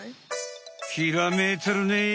ひらめいてるね。